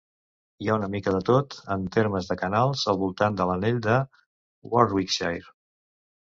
Hi ha una mica de tot, en termes de canals, al voltant de l'anell de Warwickshire.